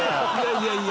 いやいや！